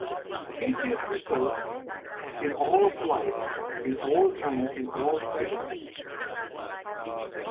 He sees Himself in all forms of life, in all time in all places.